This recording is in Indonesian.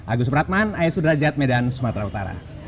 agus supratman ayat sudrajat medan sumatera utara